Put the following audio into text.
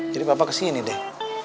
jadi papa kesini deh